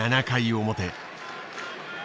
７回表。